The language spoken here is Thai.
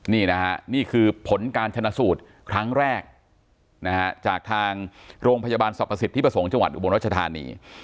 นี่นะฮะนี่คือผลการชนะสูตรครั้งแรกนะฮะจากทางโรงพยาบาลสรรพสิทธิประสงค์จังหวัดอุบลรัชธานี